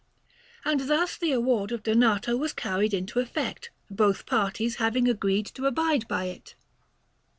And thus the award of Donato was carried into effect, both parties having agreed to abide by it.